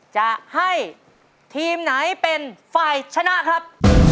จะให้ทีมไหนเป็นฝ่ายชนะครับ